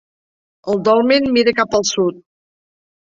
El dolmen mira cap al sud.